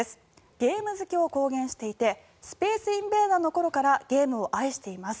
ゲーム好きを公言していて「スペースインベーダー」の頃からゲームを愛しています。